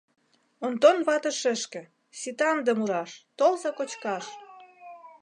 — Онтон вате шешке, сита ынде мураш, толза кочкаш!